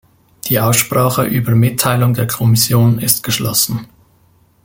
Die Aussprache über Mitteilung der Kommission ist geschlossen.